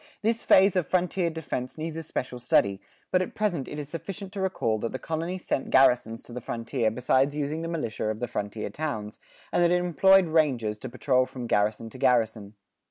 This phase of frontier defense needs a special study, but at present it is sufficient to recall that the colony sent garrisons to the frontier besides using the militia of the frontier towns; and that it employed rangers to patrol from garrison to garrison.